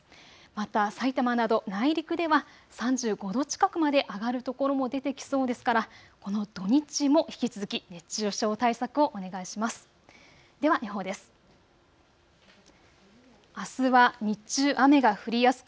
また、さいたまなど内陸では３５度近くまで上がる所も出てきそうですからこの土日も引き続き熱中症対策をお願いします。